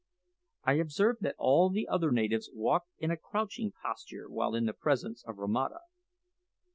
I observed that all the other natives walked in a crouching posture while in the presence of Romata.